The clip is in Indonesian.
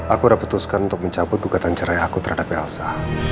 aku udah putuskan untuk mencabut gugatan cerai aku terhadap elsa